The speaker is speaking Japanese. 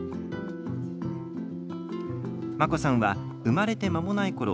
真心さんは生まれてまもないころ